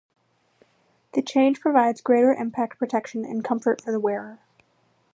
The change provides greater impact protection and comfort for the wearer.